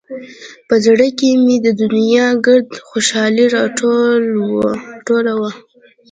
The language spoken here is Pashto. په زړه کښې مې د دونيا ګرده خوشالي راټوله وه.